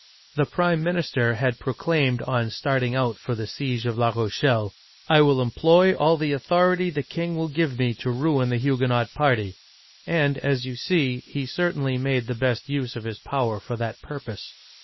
The prime minister had proclaimed on starting out for the siege of La Rochelle, " I will employ all the authority the king will give me to ruin the Huguenot party !"— and, as you see, he certainly made the best use of his power for that purpose.